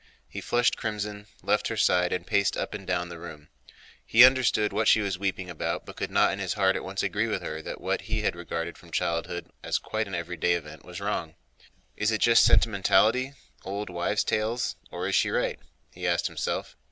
He flushed crimson, left her side, and paced up and down the room. He understood what she was weeping about, but could not in his heart at once agree with her that what he had regarded from childhood as quite an everyday event was wrong. "Is it just sentimentality, old wives' tales, or is she right?" he asked himself.